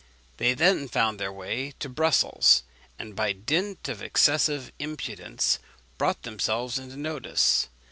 They then found their way to Brussels, and by dint of excessive impudence, brought themselves into notice.